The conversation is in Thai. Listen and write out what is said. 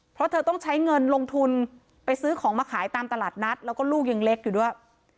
เพราะเธอต้องใช้เงินลงทุนไปซื้อของมาขายตามตลาดนัดแล้วก็ลูกยังเล็กอยู่ด้วย